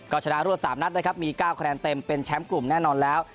ก็ชนะรวด๓นัดนะครับมี๙คะแนนเต็มเป็นแชมป์กลุ่มแน่นอนแล้ว